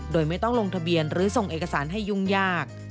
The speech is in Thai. โดยไม่ต้องลงทะเบียนหรือส่งเอกสารให้ยุ่งยาก